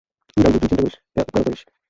গাঙু, তুই চিন্তা কেনো করিস?